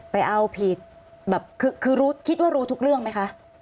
ไปเอาผิดแบบคือคิดว่ารู้ทุกเรื่องไหมคะ